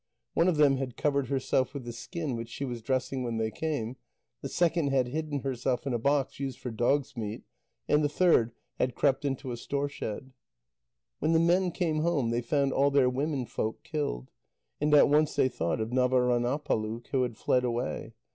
One of them had covered herself with the skin which she was dressing when they came, the second had hidden herself in a box used for dog's meat, and the third had crept into a store shed. When the men came home, they found all their womenfolk killed, and at once they thought of Navaránâpaluk, who had fled away.